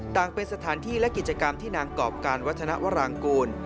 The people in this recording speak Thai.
ต่างเป็นสถานที่และกิจกรรมที่นางกรอบการวัฒนวรางกูล